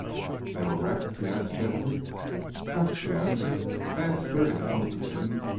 "They were wrecked?" he asked her gently. "Wrecked," she answered. "Bad steering it must have been.